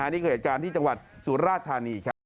นี่คืออาจารย์ที่จังหวัดสุราธารณีย์